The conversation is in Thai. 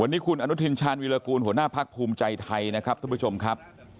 วันนี้คุณอนุทินชาญวิรากูลหัวหน้าพักภูมิใจไทยนะครับท่านผู้ชมครับ